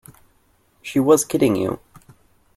She was kidding you.